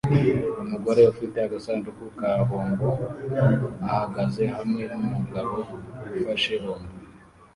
Umugore ufite agasanduku ka bombo ahagaze hamwe numugabo ufashe bombo